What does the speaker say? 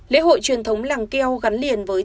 lễ hội truyền thống làng keo gắn liền với